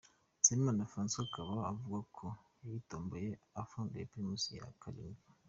Nsabimana Francois akaba avuga ko yayitomboye apfunduye primus ya karindwi.